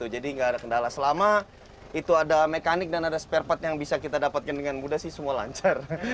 jadi nggak ada kendala selama itu ada mekanik dan ada spare part yang bisa kita dapatkan dengan mudah sih semua lancar